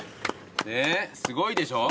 ねっすごいでしょ。